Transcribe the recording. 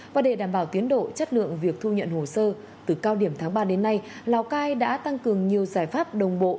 và để đảm bảo tiến độ chất lượng việc thu nhận hồ sơ từ cao điểm tháng ba đến nay lào cai đã tăng cường nhiều giải pháp đồng bộ